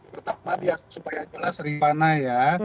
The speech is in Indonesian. pertama supaya jelas rihana ya